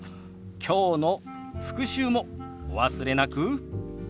きょうの復習もお忘れなく。